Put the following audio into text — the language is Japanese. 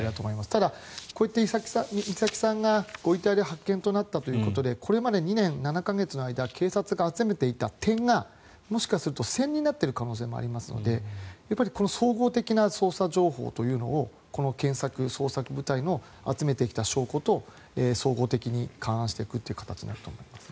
ただ、こういった美咲さんがご遺体で発見となったということでこれまで２年７か月の間警察が集めていた点がもしかすると線になっている可能性もありますのでこの総合的な捜査情報というのをこの検索、捜索部隊の集めてきた証拠と総合的に勘案していくという形になると思います。